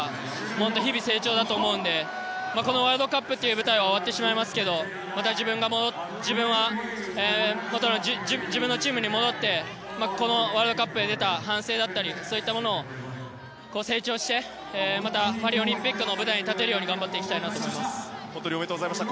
本当に日々成長だと思うのでこのワールドカップという舞台は終わってしまいますけどまた自分は元の自分のチームに戻ってこのワールドカップで出た反省だったりそういったものを成長してパラリンピックの舞台に立てられるようにおめでとうございました。